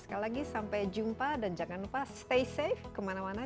sekali lagi sampai jumpa dan jangan lupa stay safe kemana mana